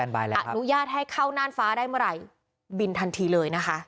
อนุญาตให้เข้าน่านฟ้าได้เมื่อไหร่บินทันทีเลยนะคะ